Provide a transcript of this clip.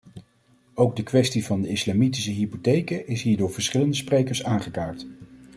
Ook de kwestie van de islamitische hypotheken is hier door verschillende sprekers aangekaart.